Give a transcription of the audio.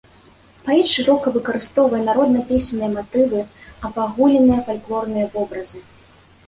Паэт шырока выкарыстоўвае народна-песенныя матывы, абагульненыя фальклорныя вобразы.